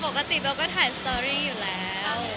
ก็ปกติเป็นวันก็ก็ถ่ายสตอรีอยู่แล้ว